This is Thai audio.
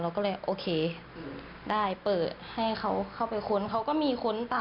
ก็เลยโอเคได้เปิดให้เขาเข้าไปค้นเขาก็มีค้นเปล่า